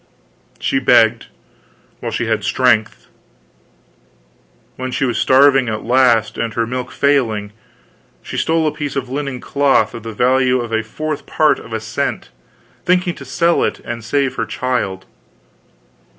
She begged, while she had strength; when she was starving at last, and her milk failing, she stole a piece of linen cloth of the value of a fourth part of a cent, thinking to sell it and save her child.